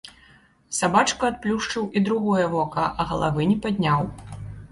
Сабачка адплюшчыў і другое вока, а галавы не падняў.